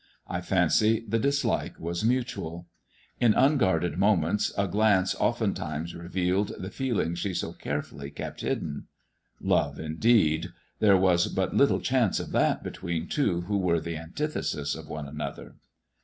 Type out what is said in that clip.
I fancy the dislike was mutual. In unguarded moments a glance oftentimes revealed the feeling she so carefully kept hidden. Love, indeed ! There was but little chance of that between two who were the antithesis of one another.